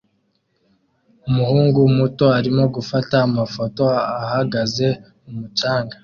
Umuhungu muto arimo gufata amafoto ahagaze mumucanga